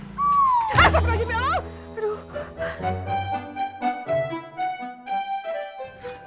asap lagi belom